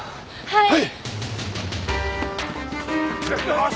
はい。